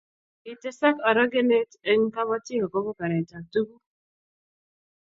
kitesak orokenet eng kabotik akobo baretab tuguk